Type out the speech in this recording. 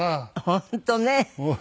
本当ね。